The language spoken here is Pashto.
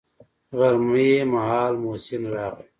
غرمې مهال محسن راغى.